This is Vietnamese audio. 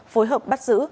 phối hợp bắt giữ